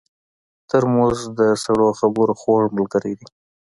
ترموز د سړو خبرو خوږ ملګری دی.